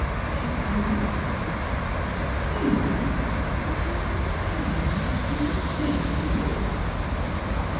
" slie breathed. '' Pay me — for taking care of — my baby?